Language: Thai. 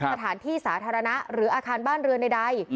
สถานที่สาธารณะหรืออาคารบ้านเรือนใด